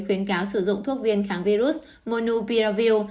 khuyến cáo sử dụng thuốc viên kháng virus monupiravir